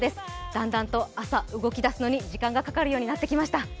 だんだんと朝、動き出すのに時間がかかるようになってきました。